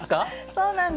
そうなんです。